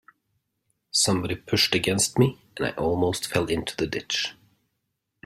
Somebody pushed against me, and I almost fell into the ditch.